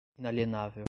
inalienável